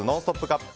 カップ！